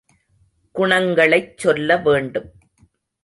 குணங்களைச் சொல்ல வேண்டும்.